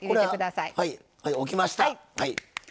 はい置きました。